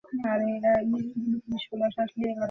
তিনি বাংলা সাহিত্যে ইতালিয় রূপবন্ধের সনেট লিখেছেন।